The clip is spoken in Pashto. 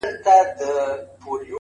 د جهنم منځ کي د اوسپني زنځیر ویده دی ـ